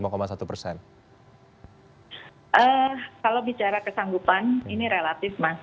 kalau bicara kesanggupan ini relatif mas